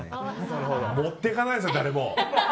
持ってかないですよ、誰も。